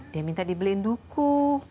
dia minta dibeliin duku